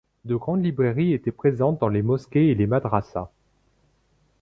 De grandes librairies étaient présentes dans les mosquées et les madrassas.